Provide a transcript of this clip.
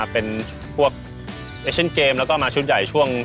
เป็นพวกเตเชียมเกมแล้วก็มาชุดใหญ่ช่วง๒๐๐๙๒๐๑๓๒๐๑๔